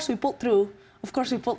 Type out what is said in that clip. tapi tentu saja kita menang